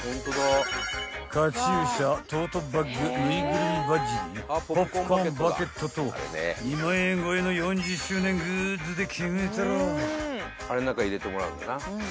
［カチューシャトートバッグぬいぐるみバッジにポップコーンバケットと２万円超えの４０周年グッズで決めてらあ］